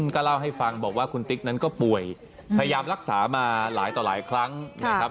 ก็เล่าให้ฟังบอกว่าคุณติ๊กนั้นก็ป่วยพยายามรักษามาหลายต่อหลายครั้งนะครับ